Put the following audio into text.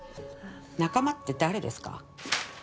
仲間って誰ですか？